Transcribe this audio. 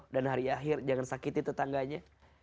dan hari akhir jangan sakiti tetangganya